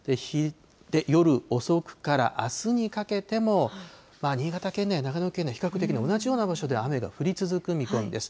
夜遅くからあすにかけても、新潟県内、長野県内、比較的同じような場所で雨が降り続く見込みです。